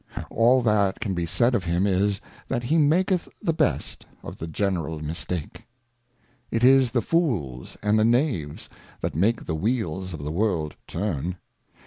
All that can be said of him is, that he maketh the best of the General Mistake. It is the Fools and the Knaves that make the Wheels of the World turn.